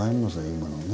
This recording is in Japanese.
今のね。